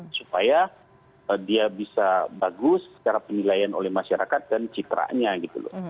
supaya dia bisa bagus secara penilaian oleh masyarakat dan citranya gitu loh